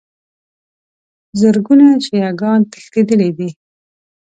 زرګونو شیعه ګان تښتېدلي دي.